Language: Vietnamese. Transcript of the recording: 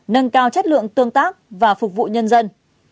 nâng cao chất lượng tương tác và phục vụ nhân dân